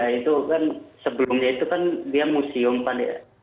hagia sofia itu kan sebelumnya itu kan dia museum pak